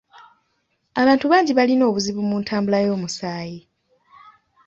Abantu bangi balina obuzibu mu ntambula y'omusaayi.